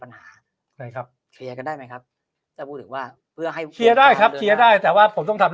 เคยครับเคลียร์กันได้ไหมครับถ้าพูดถึงว่าเพื่อให้เคลียร์ได้ครับเคลียร์ได้แต่ว่าผมต้องทำ